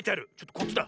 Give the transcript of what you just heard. こっちだ。